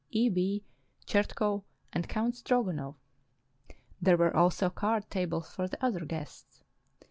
E. V. Chertkov, and Count Strogonov; there were also card tables for the other guests.